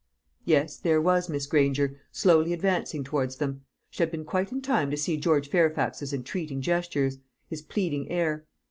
Yes, there was Miss Granger, slowly advancing towards them. She had been quite in time to see George Fairfax's entreating gestures, his pleading air.